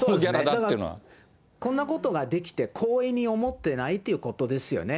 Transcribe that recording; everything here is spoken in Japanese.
こんなことができて、光栄に思ってないということですよね。